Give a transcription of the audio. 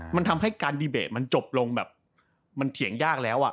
มันทำให้การดีเบตมันจบลงแบบมันเถียงยากแล้วอ่ะ